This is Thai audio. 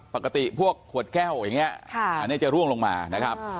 ปกติพวกขวดแก้วอย่างนี้อันนี้จะร่วงลงมานะครับ